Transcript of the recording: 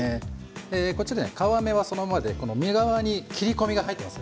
こちら皮目をそのままで身の皮に切り込みが入っています。